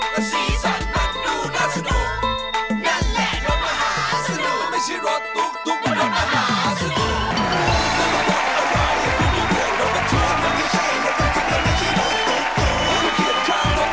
นั่นซีสันมันดูน่าสนุกนั่นแหละรถมหาสนุกมันไม่ใช่รถตุ๊กตุ๊กมันรถมหาสนุก